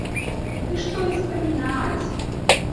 Ды што і спамінаць!